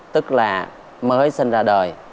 tức là mới sinh ra đời